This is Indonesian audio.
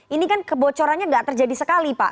ini kan kebocorannya tidak terjadi sekali pak